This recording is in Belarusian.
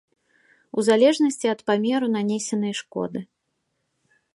У залежнасці ад памеру нанесенай шкоды.